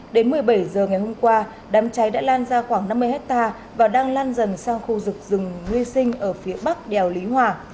đến một mươi bảy h ngày hôm qua đám cháy đã lan ra khoảng năm mươi hectare và đang lan dần sang khu vực rừng nguyên sinh ở phía bắc đèo lý hòa